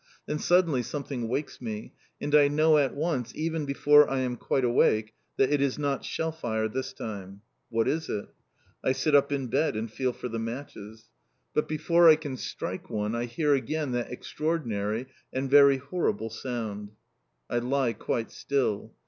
Then suddenly something wakes me, and I know at once, even before I am quite awake, that it is not shell fire this time. What is it? I sit up in bed, and feel for the matches. But before I can strike one I hear again that extraordinary and very horrible sound. I lie quite still.